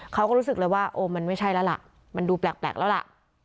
รู้สึกเลยว่าโอ้มันไม่ใช่แล้วล่ะมันดูแปลกแล้วล่ะ